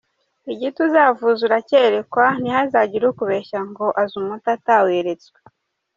Igiti uzavuza uracyerekwa, ntihazagire ukubeshya ngo azi umuti ataweretswe.